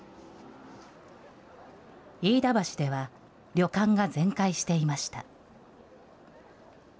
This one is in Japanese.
飯田橋では、旅館が全壊していました。